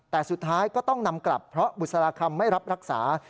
แต่สุดท้ายก็ต้องนำกลับเพราะบุษราคำไม่รับรักษา